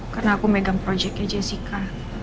karena aku megang projeknya jessica